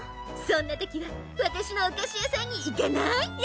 そんなときはわたしのおかしやさんにいかない？